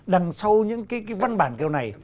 đằng sau những cái văn bản kiểu này